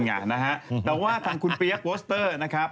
นั่นไงนะฮะแต่ว่าทางคุณเปี๊ยกโบสเตอร์นะครับ